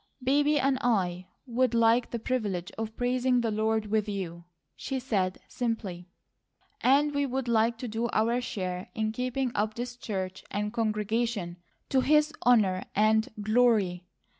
"Baby and I would like the privilege of praising the Lord with you," she said simply, "and we would like to do our share in keeping up this church and congregation to His honour and glory.